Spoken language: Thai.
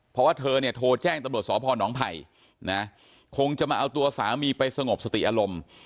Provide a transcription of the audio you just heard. เพราะว่าเธอเนี่ยโทรแจ้งตำรวจสพนไผ่นะคงจะมาเอาตัวสามีไปสงบสติอารมณ์